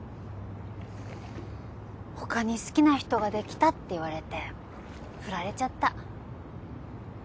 他に好きな人ができたって言われてフラれちゃった。